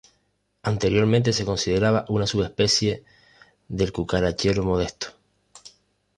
Anteriormente se consideraba una subespecie del cucarachero modesto.